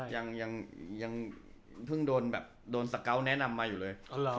ยังเพิ่งโดนแบบโดนสเกาะแนะนำมาอยู่เลย